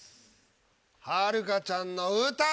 はるかちゃんの「歌」です。